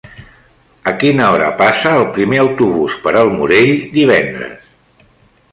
A quina hora passa el primer autobús per el Morell divendres?